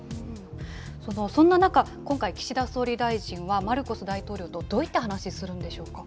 そんな中、今回、岸田総理大臣は、マルコス大統領とどういった話するんでしょうか。